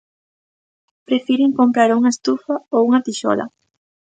Prefiren comprar unha estufa ou unha tixola.